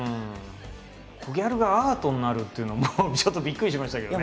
コギャルがアートになるっていうのもちょっとびっくりしましたけどね。